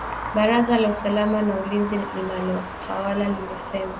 Baraza la usalama na ulinzi linalotawala limesema